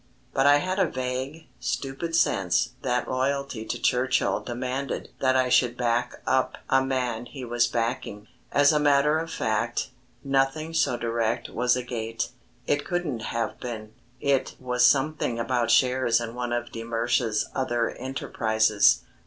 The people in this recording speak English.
But I had a vague, stupid sense that loyalty to Churchill demanded that I should back up a man he was backing. As a matter of fact, nothing so direct was a gate, it couldn't have been. It was something about shares in one of de Mersch's other enterprises.